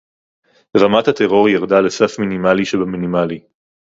רמת הטרור ירדה לסף מינימלי שבמינימלי